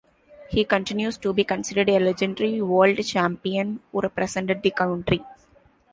He continues to be considered a legendary world champion who represented the country.